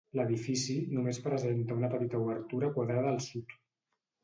L'edifici només presenta una petita obertura quadrada al sud.